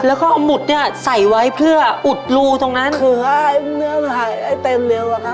แล้วก็เอาหมุดเนี้ยใส่ไว้เพื่ออุดรูตรงนั้นคือให้เนื้อหายเต็มเร็วอะค่ะ